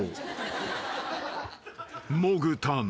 ［もぐたん。